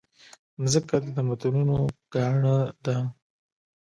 مځکه د تمدنونو ګاڼه ده.